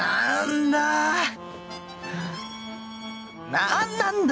何なんだ⁉